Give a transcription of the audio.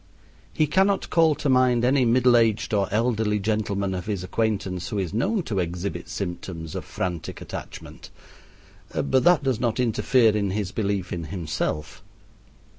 He cannot call to mind any middle aged or elderly gentleman of his acquaintance who is known to exhibit symptoms of frantic attachment, but that does not interfere in his belief in himself.